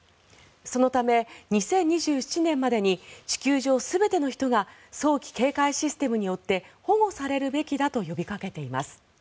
そのため、２０２７年までに地球上全ての人が早期警戒システムによって保護されるべきだと呼びかけています。